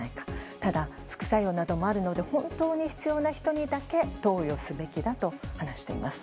ただ、副作用などもあるので本当に必要な人にだけ投与すべきだと話しています。